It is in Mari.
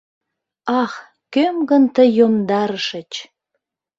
Ах, кöм гын тый йомдарышыч!